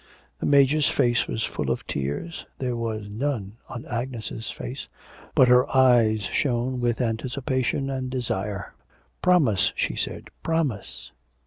The Major's face was full of tears. There were none on Agnes' face; but her eyes shone with anticipation and desire. 'Promise,' she said, 'promise.'